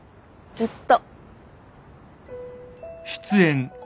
ずっと。